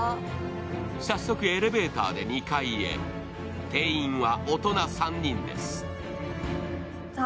早速エレベーターで２階へ定員は大人３人です。